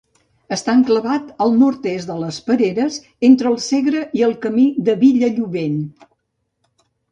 Està enclavat al nord-est de les Pereres entre el Segre i el Camí de Vilallobent.